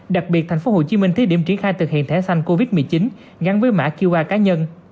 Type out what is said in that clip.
đặc biệt thành phố hồ chí minh thiết điểm triển khai thực hiện thẻ xanh covid một mươi chín gắn với mã qa cá nhân